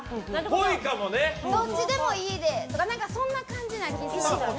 どっちでもいいでとかそんな感じな気がするんですよね。